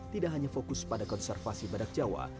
tidak hanya fokus pada konservasi badak jawa